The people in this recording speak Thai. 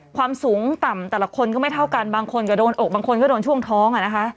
ความสูงต่ำแต่ละคนก็ไม่เท่ากันบางคนก็โดนอกบางคนก็โดนช่วงท้อง